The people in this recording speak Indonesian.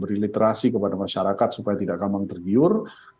beriliterasi kepada masyarakat supaya tidak akan mengergiur